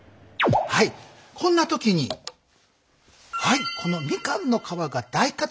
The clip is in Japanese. はいこんな時にはいこのミカンの皮が大活躍。